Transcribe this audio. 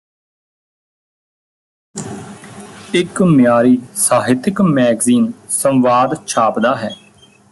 ਇੱਕ ਮਿਆਰੀ ਸਾਹਿਤਕ ਮੈਗਜ਼ੀਨ ਸੰਵਾਦ ਛਾਪਦਾ ਹੈ